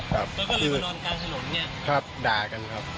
เขาก็เลยมานอนกลางถนนเนี่ยครับด่ากันครับ